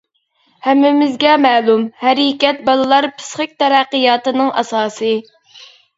ھەممىمىزگە مەلۇم، ھەرىكەت بالىلار پىسخىك تەرەققىياتىنىڭ ئاساسى.